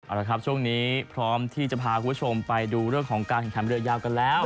เอาละครับช่วงนี้พร้อมที่จะพาคุณผู้ชมไปดูเรื่องของการแข่งขันเรือยาวกันแล้ว